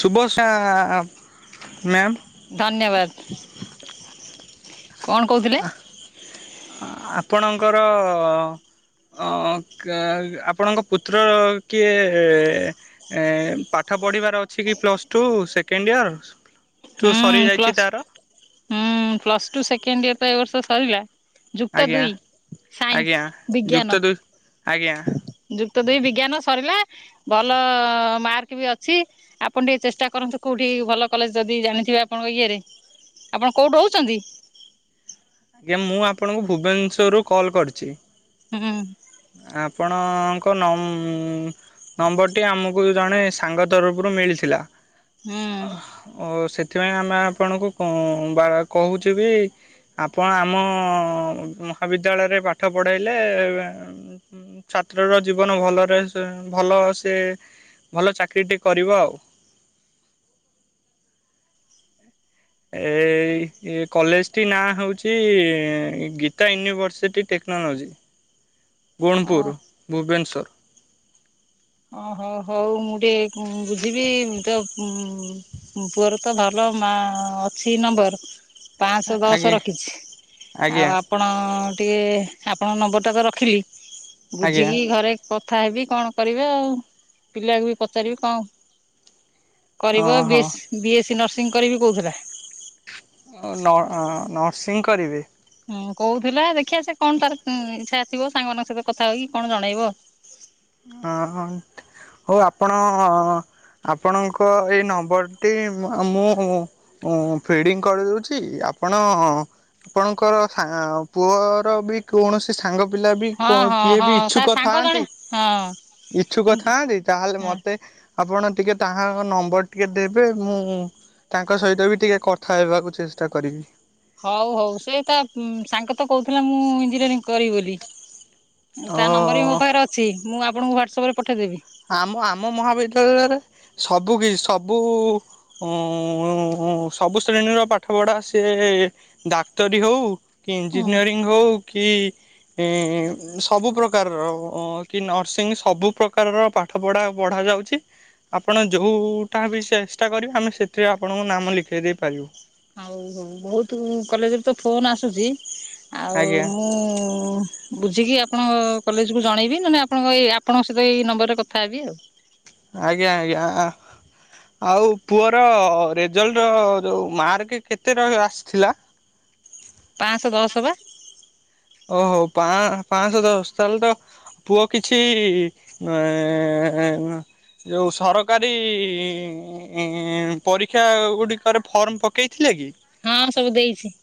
ସୁଭ ଶ ମ୍ୟ ଧନ୍ୟବାଦ କଣ କହୁଥିଲେ ଆପଣଙ୍କର? ଅ ଆପଣଙ୍କ ପୁତ୍ର କିଏ? ଏ ପାଠ ପଢ଼ିବାର ଅଛି କି plus two second year two ହଁ ସରିଯାଇଛି ପ୍ଲସ୍ ତାର ହୁଁ ପ୍ଲସ୍ ଟୁ ସେକେଣ୍ଡ ଇୟର ତ ଏ ବର୍ଷ ସରିଲା। ଯୁକ୍ତ ଆଜ୍ଞା ଦୁଇ ସାଇନ୍ସ ଆଜ୍ଞା ବିଜ୍ଞାନ ଯୁକ୍ତ ଦୁଇ ଆଜ୍ଞା ଯୁକ୍ ତ ଦୁଇ ବିଜ୍ଞାନ ସରିଲା ଭଲ ମାର୍କ ବି ଅଛି ଆପଣ ଟିକେ ଚେଷ୍ଟା କରନ୍ତୁ କେଉଁଠି? ଭଲ କଲେଜ ଯଦି ଜାଣିଥିବେ ଆପଣଙ୍କ ଇଏରେ ଆପଣ କୋଉଠି ରହୁଛନ୍ତି? ଆଜ୍ଞା ମୁଁ ଆପଣଙ୍କୁ ଭୁବନେଶ୍ଵର ରୁ କଲ୍ କରିଛି। ହୁଁ। ଆପଣଙ୍କ ନମ୍ବରଟି ଆମ ଜଣେ ସାଙ୍ଗ ତରଫରୁ ମିଳିଥିଲା ହୁଁ ଓ ସେଥିପାଇଁ ଆମେ ଆପଣଙ୍କୁ ବା କହୁଛୁ ବି ଆପଣ ଆମ ମହାବିଦ୍ୟାଳୟରେ ପାଠ ପଢେଇଲେ ଛାତ୍ର ର ଜୀବନ ଭଲରେ ଭଲ ସେ ଭଲ ଚାକିରୀ ଟେ କରିବ ଆଉ। ଏ କଲେଜ ଟି ନାଁ ହଉଛି ଗୀତା ୟୁନିଭର୍ସିଟି। ଟେକ୍ନୋଲୋଜି ଗୋଣପୁର ଭୁବନେଶ୍ୱର ଓ ହଉ ହଉ ମୁଁ ଟିକେ ବୁଝିବି ତ ପୁଅର ତ ଭଲ ମା ଅଛି ନମ୍ବର ପାଞ୍ଚଶହ ଦଶ ଆଜ୍ଞା ରଖିଛି ଆଉ ଆଜ୍ଞା ଆପଣ? ଆପଣ ଙ୍କ ନୁମ୍ବର ଟା ତ ରଖିଲି, ଆଜ୍ଞା। ବୁଝିକି ଘରେ କଥା ହେବି କଣ କରିବି ଆଉ ପିଲାକୁ ବି ପଚାରିବି କଣ କରିବ ବି ଓହୋ ବିଏସ୍ସି ନର୍ସିଂ କରିବି କହୁଥିଲା? କରିବି। ହୁଁ କହୁଥିଲା ଦେଖିବା ସେ କଣ ତାର ଇଛା ଆସିବ ସାଙ୍ଗମାନଙ୍କ ସହିତ କଥା ହେକି କଣ ଜଣେଇବ ହ ହଉ ଆପଣ ଆପଣ ଏଇ ନମ୍ବରଟି ମୁଁ ଫିଡିଙ୍ଗ କରିଦଉଛି ଆପଣ ଆପଣଙ୍କର ପୁଅର ବି କୌଣସି ସାଙ୍ଗ ପିଲା ବି ହଁ ହଁ କିଏ ହଁ ବି ତା ଇଚ୍ଛୁକ ସାଙ୍ଗ ଜଣେ ଥାନ୍ତି। ହଁ ଇଛୁ ହଁ। କଥାନ୍ତିି ତାହେଲେ ମତେ ଆପଣ ଟିକେ ତାହା ନମ୍ବର ଟିକେ ଦେବେ ମୁଁ ତାଙ୍କ ସହିତ ବି ଟିକେ କଥା ହେବାକୁ ଚେଷ୍ଟା କରିବି। ହଉ ହଉ ସେଟ ସାଙ୍ଗ ତ କହୁଥିଲା ମୁଁ ଇଞ୍ଜିନିୟରିଂ କରିବି ବୋଲି ତା ନମ୍ବର ବି ମୋ ଅ ପାଖରେ ଅଛି ମୁଁ ଆପଣଙ୍କୁ ହ୍ୱାଟ୍ସପ ଆମ ଆମ ମହାବିଦ୍ୟାଳୟରେ ସବୁ କି ସବୁ ଉ ସବୁ ଶ୍ରେଣୀର ପାଠ ପଢା ସି ଡାକ୍ତରୀ ହଉ କି ହଁ ଇଞ୍ଜିନିୟରିଂ ହଉ କି ଏ ସବୁ ପ୍ରକାରର କି ନର୍ସିଂ ସବୁ ପ୍ରକାର କାରର ପାଠପଢା ବଢା ଯାଉଛି ଆପଣ ଯୋଉଟା ବି ଚେଷ୍ଟା କରିବେ ଆମେ ସେଥିରେ ଆପଣଙ୍କୁ ନାମ ଲେଖେଇ ଦେଇ ପାରିବୁ ହଉ ହଉ ବହୁତ କଲେଜରେ ତ ଫୋନ ଆସୁଛି, ଆଉ ଆଜ୍ଞା ମୁଁ ଓ ବୁଝିକି ଆପଣଙ୍କ କଲେଜକୁ ଜଣେଇବି, ନହେଲେ ଆପଣଙ୍କ ଏଇ ଆପଣଙ୍କ ସହିତ ଏଇ ନମ୍ବରରେ କଥା ହେବି ଆଉ। ଆଜ୍ଞା ଆଜ୍ଞା ଆ ଆଉ ପୁଅର ରେଜଲ୍ଟ ଯୋଉ ମାର୍କ କେତେ ର ରହ ଆସିଥିଲା? [inaudible] ପାଞ୍ଚଶହ ଦଶ ପା। ଓହୋ ପା ପାଞ୍ଚଶହ ଦଶ ତାହେଲେ ତ ପୁଅ କିଛି ହ ଯୋଉଁ ସରକାରୀ ପରୀକ୍ଷା ଗୁଡ଼ିକରେ ଫର୍ମ ପକେଇଥିଲେ କି? ହଁ ସବୁ ଦେଇଛି।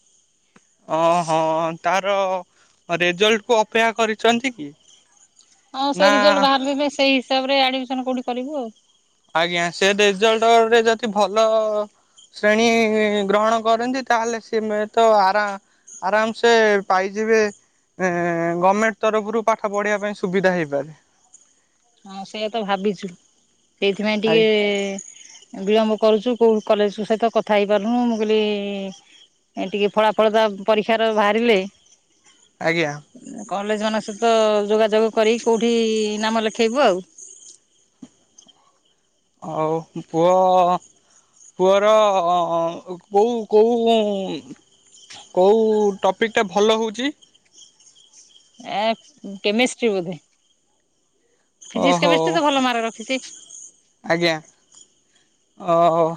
ଓ ହୋ ତାର ରେଜଲ୍ଟ କୁ ଅପେକ୍ଷା କରିଛନ୍ତି କି? ହଁ ନା ସେଇ ରେଜଲ୍ଟ ବାହାରିବ ପାଇଁ ସେଇ ହିସାବରେ ଆଡମିସନ କୋଉଠି କରିବୁ ଆଉ? ଆଜ୍ଞା ସେ ରେଜଲ୍ଟ ରେ ଯଦି ଭଲ ଶ୍ରେଣୀ ଗ୍ରହଣ କରନ୍ତି ତାହେଲେ ସିଏ ତ ଆର ଆରାମ ସେ ପାଇଯିବେ? ଏ ଗଭର୍ଣମେଣ୍ଟ ତରଫରୁ ପାଠ ପଢିବା ପାଇଁ ସୁବିଧା ହେଇପାରେ? ହଁ ସେଇଆ ତ ଭାବିଛୁ ସେଇଥିପାଇଁ ଟିକେ ବିଳମ୍ବ କରୁଛୁ କୋଉ କଲେଜ କ ସହିତ କଥା ହେଇ ପାରୁନୁ ମୁଁ କହିଲି ଏ ଟିକେ ଫଳା ଫଳ ତ ପରୀକ୍ଷା ବାହାରିଲେ ଆଜ୍ଞା। କଲେଜ ମାନଙ୍କ ସହିତ ଯୋଗାଯୋଗ କରି କୋଉଠି ନାମ ଲେଖ? ଖାଇବୁ ଆଉ। ଆଉ ପୁଅ ପୁଅର କୋଉ କୋଉ କୋଉଁ ଟପିକ୍ଟ ଭଲ ହଉଛି? ଆ କେମିଷ୍ଟ୍ରି ବୋ? ଫିଜିକସ ଓହୋ କେ ବେଶ ତ ଭଲ ମାର୍କ ରଖିଛି। ଆଜ୍ଞା ଓ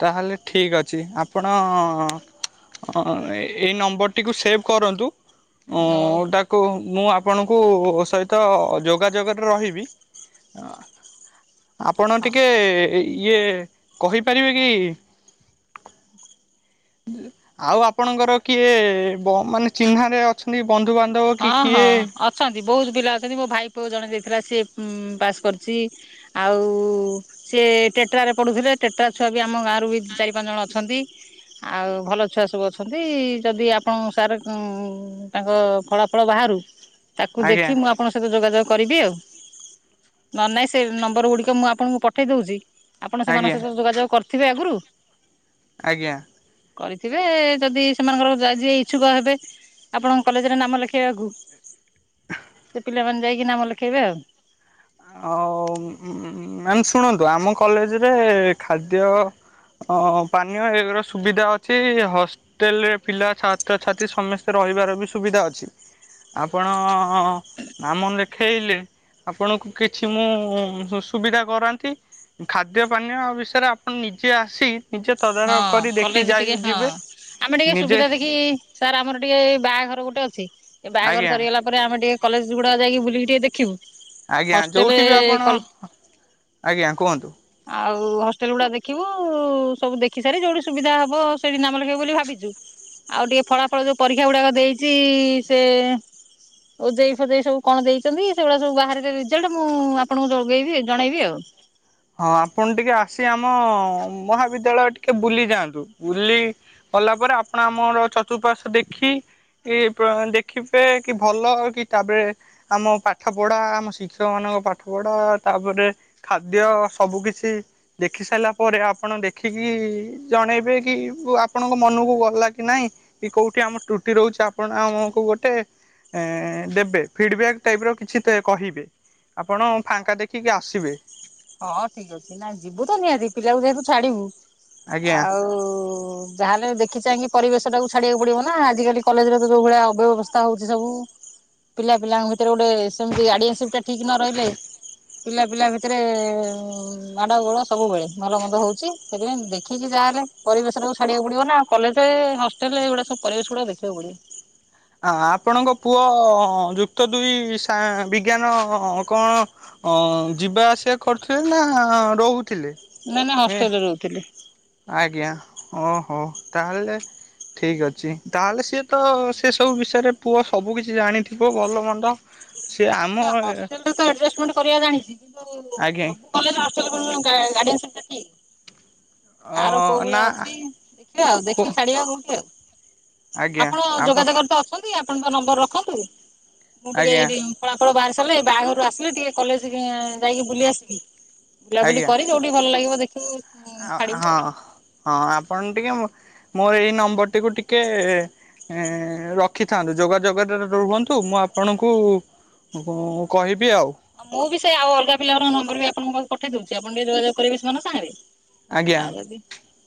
ତାହେଲେ ଠିକ ଅଛି ଆପଣ ଏଇ ନମ୍ବରଟିକୁ ସେଭ୍ କରନ୍ତୁ ଓହୋ ତାକୁ ମୁଁ ଆପଣଙ୍କୁ ସହିତ ଯୋଗାଯୋଗରେ ରହିବି। ଆପଣ ଟିକେ ଇଏ କହିପାରିବେ କି? ଆଉ ଆପଣଙ୍କର କିଏ ମାନେ ଚିହ୍ନାରେ ଅଛନ୍ତି? ବନ୍ଧୁବାନ୍ଧବ କି ହଁ ହଁ କିଏ ଅଛନ୍ତି ବହୁତ ପିଲା ଅଛନ୍ତି ମୋ ଭାଇ ପୁ ଜଣେ ଯାଇଥିଲା ସି ପାସ୍ କରୁଛି ଆଉ ସିଏ ଟେଟ୍ରରେ ପଢୁଥିଲେ। ଟେଟା ଛୁଆ ବି ଆମ ଗାଁରୁ ବି ଚାରି ପାଞ୍ଚ ଜଣ ଅଛନ୍ତି। ଆଉ ଭଲ ଛୁଆ ସବୁ ଅଛନ୍ତି ଯଦି ଆପଣ ସାର୍ ତାଙ୍କ ଫଳା ଫଳ ବାହାରୁ ତାକୁ ଆଜ୍ଞା ଦେଖି ମୁଁ ଆପଣଙ୍କ ସହିତ ଯୋଗାଯୋଗ କରିବି ଆଉ ନ ନାହିଁ ସେ ନମ୍ବର ଗୁଡ଼ିକ ମୁଁ ଆପଣଙ୍କୁ ପଠାଇ ଦଉଛି। ଆପଣ ସେମାନଙ୍କ ଆଜ୍ଞା ସହିତ ଯୋଗାଯୋଗ କରିଥିବେ ଆଗରୁ ଆଜ୍ଞା। କରିଥିବେ ଯଦି ସେମାନଙ୍କର ଯା ଯିଏ ଇଚ୍ଛୁକ ହେବେ ଆପଣଙ୍କ କଲେଜରେ ନାମ ଲେ ଖେଇବାକୁ। ପିଲାମାନେ ଯାଇକି ନାମ ଲେଖେଇବେ ଆଉ। ଆଉ ମ୍ୟାମ୍ ଶୁଣନ୍ତୁ ଆମ କଲେଜରେ ଖାଦ୍ୟ ହ ପାନୀୟ ଏ ର ସୁବିଧା ଅଛି ହଷ୍ଟେଲ ରେ ପିଲା ଛାତ୍ରଛାତ୍ରୀ ସମସ୍ତେ କହିବାର ବି ସୁବିଧା ଅଛି। ଆପଣ ନାମ ଲେଖେଇଲେ ଆପଣଙ୍କୁ କିଛି ମୁଁ ସୁବିଧା କରାନ୍ତି। ଖାଦ୍ୟ ପାନୀୟ ବିଷୟରେ ଆପଣ ନିଜେ ଆସି ନିଜେ ହଁ ତଦାରଖ କରି ଦେଖି କଲେଜ ଯାଇ ଟିକେ ହଁ। ଯିବେ। ଆମେ ଟିକେ ନିଜେ ସୁବିଧା ଦେଖି ସାର୍ ଆମର ଟିକେ ବାହାଘର ଗୋଟେ ଅଛି। ଏ ବାହାଘର ଆଜ୍ଞା ସରିଗଲା ପରେ ଆମେ ଟିକେ କଲେଜ ଗୁଡ଼ାକ ଯାଇକି ବୁଲିକି ଟିକେ ଦେଖିବୁ। ଆଜ୍ଞା ହଷ୍ଟେଲ ଯୋଉଠି ବି ଆପଣ କଲ୍ ଆଜ୍ଞା କୁହନ୍ତୁ। ଉ ହଷ୍ଟେଲ ଉଡ଼ା ଦେଖିବୁ ସବୁ ଦେଖି ସାରି ଯୋଉଠି ସୁବିଧା ହବ ସେଇଠି ନାମ ଲେଖେଇବୁ ବୋଲି ଭାବିଚୁ। ଆଉ ଟିକେ ଫଳାଫଳ ଯୋଉ ପରୀକ୍ଷା ଗୁଡ଼ାକ ଦେଇଚି ସେ ଓ ଜେ ଇ ଫୋ ଜେ ଇ ସବୁ କଣ ଦେଇଚନ୍ତି ସେଉରା ସବୁ ବାହାରିଲେ ରେଜଲ୍ଟ ମୁଁ ଆପଣଙ୍କୁ ଯୋଗେଇବି ଜଣେଇବି ଆଉ। ହଁ ଆପଣ ଟିକେ ଆସି ଆମ ମହାବିଦ୍ୟାଳୟ ଟିକେ ବୁଲି ଯାଆନ୍ତୁ ବୁଲି ଗଲା ପରେ ଆପଣ ଆମର ଚତୁଃପାର୍ଶ ଦେଖି ଇ ପ୍ର ଦେଖିବେ କି ଭଲ କି ତାପରେ ଆମ ପାଠ ପଢ଼ା ଆମ ଶିକ୍ଷକ ମାନ ନ ପାଠ ପଢ଼ା ତାପରେ ଖାଦ୍ୟ ସବୁ କିଛି ଦେଖି ସାଇଲା ପରେ ଆପଣ ଦେଖିକି ଜଣେଇବେ କି ଆପଣଙ୍କ ମ ନୁକୁ ଗଲା କି ନାଇଁ କି କୋଉଠି ଆମ ତୁଟି ରହୁଚି ଆପଣ ଆମୁକୁ ଗୋଟେ ଏଁ ଦେବେ ଫିଡବ୍ୟାକ୍ ଟାଇପ୍ ର କିଛି ତେ କହିବେ। ଆପଣ ଫାଙ୍କା ଦେଖିକି ଆସିବେ। ହଁ ଠିକ୍ ଅଛି ନାଇଁ ଯିବୁ ତ ନିହାତି ପିଲାକୁ ଯେହେତୁ ଛାଡ଼ିବୁ ଆଜ୍ଞା ଆଉ ଯାହେଲେ ଦେଖି ଚାହିଁକି ପରିବେଶଟାକୁ ଛାଡ଼ିବାକୁ ପଡ଼ିବ ନାଁ ଆଜିକାଲି କଲେଜରେ ତ ଯୋଉ ଭଳିଆ ଅବ୍ୟବସ୍ଥା ହଉଚି ସବୁ। ପିଲା ପିଲାଙ୍କ ଭିତରେ ଗୋଟେ ସେମତି ଆଡ଼ିଆସିପ୍ ଟା ଠିକ୍ ନ ରହିଲେ ପିଲା ପିଲା ଭିତ ରେ ଉ ମାଡ଼ ଗୋଳ ସବୁ ବେଳେ ଭଲ ମନ୍ଦ ହଉଚି ସେଥିପାଇଁ ଦେଖିକି ଯାହା ହେଲେ ପରିବେଶଟାକୁ ଛାଡ଼ିବାକୁ ପଡ଼ିବ ନାଁ କ ଅଲେଥେ ହଷ୍ଟେଲ୍ ଏଉଡ଼ା ସବୁ ପରିବେଶ ଗୁଡ଼ା ଦେଖିବାକୁ ପଡ଼ିବ। ଆ ଆପଣଙ୍କ ପୁଅ ଯୁକ୍ତ ଦୁଇ ସା ବିଜ୍ଞାନ କଣ ଅ ଯିବା ଆସିବା କରୁଥୁଲେ ନାଁ ରହୁ ନାଇଁ ନାଇଁ ହଷ୍ଟେଲ୍ ରେ ରହୁଥୁଲେ। ଆଜ୍ଞା ଓହୋ ତାହେଲେ ଠିକ୍ ଅଛି ତାହେଲେ ସିଏ ତ ସେ ସବୁ ବିଷୟରେ ପୁଅ ସବୁ କିଛି ଜାଣିଥିବ ଭଲ ମନ୍ଦ। ସିଏ ଆମ ଏ ହଷ୍ଟେଲ୍ ରେ ତ ଏଡ଼ଜଷ୍ଟମେଣ୍ଟ୍ କରିବା ଜାଣିଚି କିନ୍ତୁ ଆଜ୍ଞା ସବୁ କଲେଜ ହଷ୍ଟେଲ୍ [unintelligible] ଗା ଗାଡି଼ଆନସିପ୍ ଟା ହି ଅ କାର କୋଉ ନା ଭଳିଆ ଅଛି ଦେଖିବା ଆଉ ଦେଖି ଛାଡ଼ିବା କୋଉଠି ଆଉ। ଆଜ୍ଞା ଆପଣ ଆପ ଯୋଗାଯୋଗରେ ତ ଅଛନ୍ତି ଆପଣଙ୍କ ନମ୍ବର୍ ରଖନ୍ତୁ ମୁଁ ଟିକେ ଆଜ୍ଞା ଏଇଠି ଫଳାଫଳ ବାହାରି ତଲେ ବାହାଘରୁ ଆସିଲେ ଟିକେ କଲେଜ୍ ଉଁ ଯାଇକି ବୁଲି ଆସିବି ବୁଲାବୁଲି ଆଜ୍ଞା। କରି ଯୋଉଠି ଭଲ ଲାଗିବ ଦେଖିବୁ ଆ ଛାଡିବୁ ହଁ ଆଉ। ହଁ ଆପଣ ଟିକେ ମୋ ଏଇ ନମ୍ବର୍ ଟିକୁ ଟିକେ ଏ ରଖିଥାନ୍ତୁ ଯୋଗାଯୋଗରେ ରୁହନ୍ତୁ ମୁଁ ଆପଣଙ୍କୁ ଗଁ କହି ଆଉ ମୁଁ ବି ସେ ଆଉ ଅଲଗା ପିଲାଙ୍କର ନମ୍ବର୍ ବି ଆପଣଙ୍କ ପାଖୁ ପଠେଇ ଦଉଚି ଆପଣ ଟିକେ ଯୋଗାଯୋଗ କରିବେ ସେମାନେ ସାଙ୍ଗରେ। ଆଜ୍ଞା ଆ ଯଦି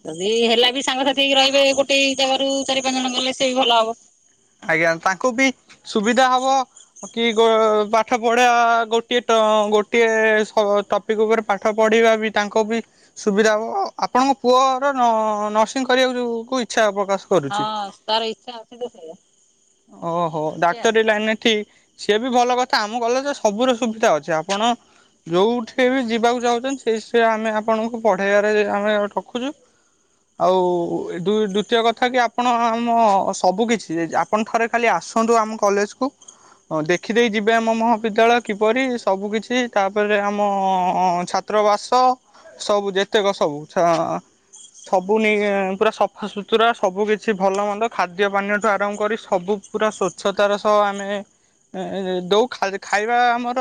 ତ ଦି ହେଲା ବି ସାଙ୍ଗସାଥି ହେଇି ରହିବେ ଗୋଟେ ଜାଗାରୁ ଚାରି ପାଞ୍ଚ ଜଣ ଗଲେ ସେ ବି ଭଲ ହବ। ଆଜ୍ଞା ତାଙ୍କୁ ବି ସୁବିଧା ହବ କି ପାଠ ଗୋ ପଢ଼େଇବା ଗୋଟିଏ ଟ ତ ଗୋଟଏ ସ ଟପିକ ଉପରେ ପାଠ ପଢ଼ିବା ବି ତାଙ୍କ ବି ସୁବିଧା ହବ ଆପଣଙ୍କ ପୁଅର ନ ନର୍ସିଂ କରିବାକୁ ଯୋଉ କୁ ଇଚ୍ଛା ପ୍ରକାଶ କରୁଛି। ହଁ ତାର ଇଚ୍ଛା ଅଛି ଯେ ସେଇଆ। ଓହୋ ଦେଖିଆ ଆଉ ଡାକ୍ତରୀ ଲାଇନ୍ ରେ ଠି ସିଏ ବି ଭଲ କଥା ଆମ କଲେଜ୍ ରେ ସବୁର ସୁବିଧା ଅଛି ଆପଣ ଯୋଉଠି ବି ଯିବାକୁ ଚାହୁଚନ୍ତି ସେଇ ସେ ଆମେ ଆପଣଙ୍କୁ ପଢ଼େଇବାରେ ଆମେ ରଖଚୁ। ଆଉ ଦୁଇ ଦୁତୀୟ କଥା କି ଆପଣ ଆମ ସବୁ କିଛି ଇଏ କି ଆପଣ ଥରେ ଖାଲି ଆସନ୍ତୁ ଆମ କଲେଜକୁ ଅ ଦେଖିଦେଇ ଯିବେ ଆମ ମହାବିଦ୍ୟାଳୟ କିପରି ସବୁ କିିଛି ତାପରେ ଆମ ଛା ତ୍ର ବାସ ସବୁ ଯେତେକ ସବୁ ସ ସବୁ ନେଇ ପୁରା ସଫାସୁତୁରା ସବୁ କିଛି ଭଲ ମନ୍ଦ ଖାଦ୍ୟ ପାନୀୟ ଆରମ୍ଭ କରି ସବୁ ପୁରା ସ୍ଵଚ୍ଛତାର ସହ ଆମେ ଏଁ ଦଉ ଖାଲି ଖାଇବା ଆମର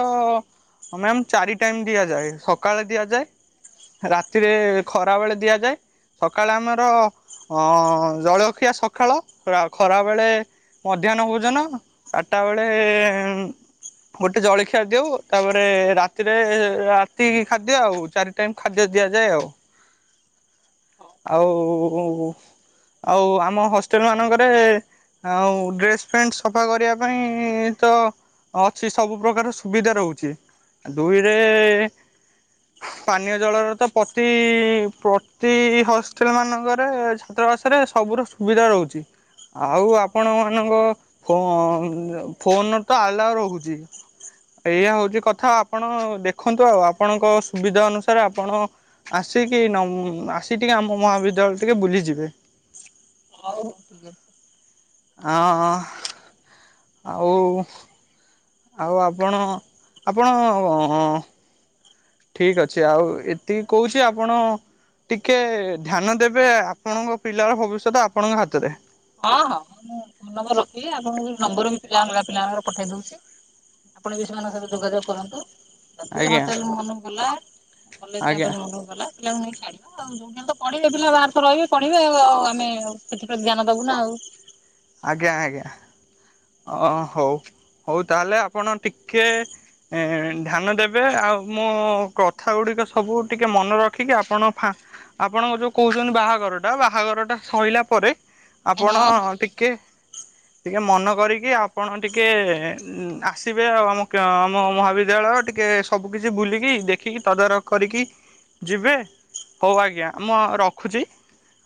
ମ୍ୟାମ୍ ଚାରି ଟାଇମ୍ ଦିଆଯାଏ ସକାଳେ ଦିଆଯାଏ। ରାତିରେ ଖରା ବେଳେ ଦିଆଯାଏ। ସକାଳେ ଆମର ଅ ଜଳଖିଆ ସକାଳ ପୁରା ଖରାବେଳେ ମଧ୍ୟାହ୍ନ ଭୋଜନ ଆଟା ବେଳେ ଗୋଟେ ଜଳଖିଆ ଦଉ। ତାପରେ ରାତିରେ ରାତି ଖାଦ୍ୟ ଆଉ। ଚାରି ଟାଇମ ଖାଦ୍ୟ ଦି ଦିଆଯାଏ ଆଉ। ଆଉ ଆଉ ଆମ ହଷ୍ଟେଲ ମାନଙ୍କରେ ଆଉ ଡ୍ରେସ ପେଣ୍ଟ ସଫା କରିବା ପାଇଁ ତ ଅଛି ସବୁ ପ୍ରକାର ସୁବିଧା ରହୁଚି। ଦୁଇରେ ପାନୀୟ ଜଳର ତ ପ୍ରତି ପ୍ରତି ହଷ୍ଟେଲ ମାନଙ୍କରେ ଛାତ୍ରବାସ ରେ ସବୁ ର ସୁବିଧା ରହୁଛି। ଆଉ ଆପଣ ମାନଙ୍କ ଫୋ ଫୋନ ତ ଆଲାଉ ରହୁଛି। ଏଇଆ ହଉଛି କଥା ଆପଣ ଦେଖନ୍ତୁ ଆଉ ଆପଣଙ୍କ ସୁବିଧା ଅନୁସାରେ ଆପଣ ଆସିକି ନ ଆସ ଟିକେ ଆମ ମହାବିଦ୍ୟାଳୟରେ ଟିକେ ବୁଲିଯିବେ। ହଉ ହଉ ଠିକ ଅଛି ହଁ ହଁ ଆଉ ଆଉ ଆପଣ ଆପଣ ଅ ଠିକ ଅଛି ଆଉ ଏତିକି କହୁଛି ଆପଣ ଟିକେ ଧ୍ୟାନ ଦେବେ ଆପଣଙ୍କ ପିଲାର ଭବିଷ୍ୟତ ଆପଣଙ୍କ ହାତରେ। ହଁ ହଁ ମୁଁ ଫୋନ ନମ୍ବର ରଖିଲି ଆପଣଙ୍କୁ ନମ୍ବର ପିଲାମାନଙ୍କର ପଠେଇ ଦଉଛି। ଆପଣ ବି ସେମାନଙ୍କ ସହିତ ଯୋଗାଯୋଗ କରନ୍ତୁ। ଯଦି ଆଜ୍ଞା ହଷ୍ଟେଲ ମୋ ମନକୁ ଗଲା କଲେଜ ଆଜ୍ଞା କ୍ୟାମ୍ପସ ମନକୁ ଗଲା ପିଲାଙ୍କୁ ନେଇ ଛାଡିବା ଆଉ ଯୋଉଠି ତ ହେଲେ ପଢ଼ିବେ ପିଲା ବାହାରେ ତ ରହିବେ ପଢ଼ିବେ ଆମେ ସେଥିପ୍ରତି ଧ୍ୟାନ ଦବୁନା ଆଉ। ଆଜ୍ଞା ଆଜ୍ଞା ହଉ। ହଉ ତାହାଲେ ଆପଣ ଟିକେ ଆ ଏ ଧ୍ୟାନ ଦେବେ ଆଉ ମୋ କଥା ଗୁଡିକ ସବୁ ଟିକେ ମନେ ରଖିକି ଆପଣ ଫା ଆପଣ ଯୋଉ କହୁଛନ୍ତି ବାହାଘର ଟା ବାହାଘର ଟା ସଇଲା ପରେ ହଁ ଆପଣ ହଁ ଟି [inaudible] ଟିକେ ମନ କରିକି ଆପଣ ଟିକେ ଆସିବେ। ଆ ଆମ ଆମ ମହାବିଦ୍ୟାଳୟ ଟିକେ ସବୁ କିିଛି ବୁଲିକି ଦେଖିକି ତଦାରଖ କରିକି ଯିବେ। ହଉ ଆଜ୍ଞା ମୁଁ ରଖୁଛି।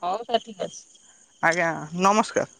ହଉ ତାହେଲେ ଠିକ ଅଛି। ଆଜ୍ଞା ନମସ୍କାର।